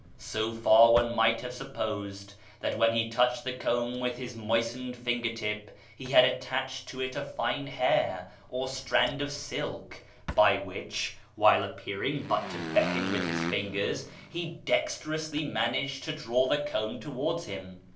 So far one might have supposed that when he touched the comb with his moistened finger tip he had attached to it a fine hair or strand of silk, by which, while appearing but to beckon with his fingers, he dexterously managed to draw the comb towards him.